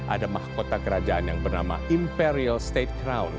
ada mahkota kerajaan yang bernama imperial state crown